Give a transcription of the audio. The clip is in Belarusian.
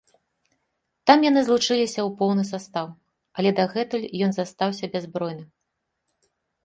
Там яны злучыліся ў поўны састаў, але дагэтуль ён застаўся бяззбройным.